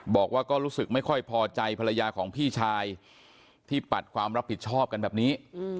บอกว่าก็รู้สึกไม่ค่อยพอใจภรรยาของพี่ชายที่ปัดความรับผิดชอบกันแบบนี้